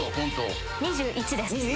２１です。